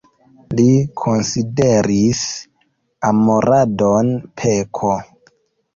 Li konsideris amoradon peko.